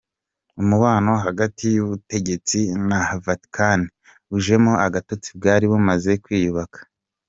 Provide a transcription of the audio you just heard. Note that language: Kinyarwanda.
Umubano hagati y’ubutegetsi na Vatikani ujemo agatotsi bwari bumaze kwiyubaka